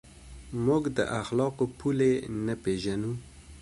موږ د اخلاقو پولې نه پېژنو.